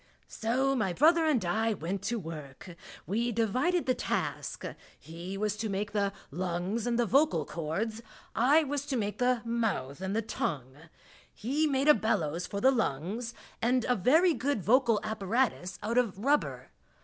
So my brother and I went to work. We divided the task he was to make the lungs and the vocal cords, I was to make the mouth and the tongue. He made a bellows for the lungs and a very good vocal apparatus out of rubber.